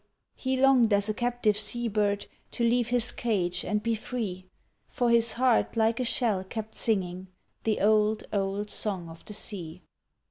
he longed as a captive sea bird To leave his cage and be free, For his heart like a shell kept singing The old, old song of the sea.